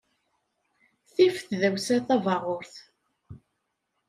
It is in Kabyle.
Tif tdawsa tabaɣurt.